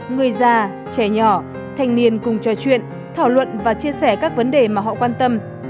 người già trẻ nhỏ thanh niên cùng trò chuyện thảo luận và chia sẻ các vấn đề mà họ quan tâm